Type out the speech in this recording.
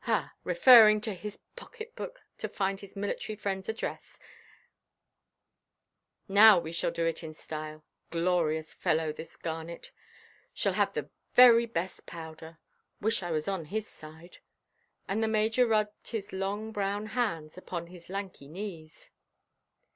Ah! referring to his pocket–book to find his military friendʼs address; now we shall do it in style. Glorious fellow this Garnet—shall have the very best powder. Wish I was on his side." And the Major rubbed his long brown hands upon his lanky knees.